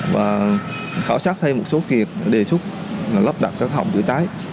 và khảo sát thay một số kiện đề xuất lắp đặt các hỏng chữa cháy